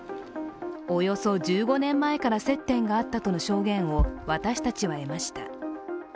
およそ１５年前から接点があったとの証言を私たちは得ました。